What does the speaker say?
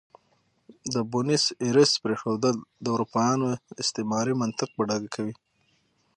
د بونیس ایرس پرېښودل د اروپایانو استعماري منطق په ډاګه کوي.